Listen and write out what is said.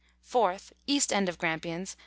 4th. East end of Grampians, N.